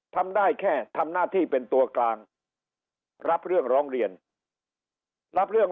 ทำได้แค่ทำหน้าที่เป็นตัวกลางรับเรื่องร้องเรียนรับเรื่อง